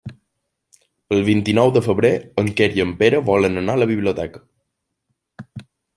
El vint-i-nou de febrer en Quer i en Pere volen anar a la biblioteca.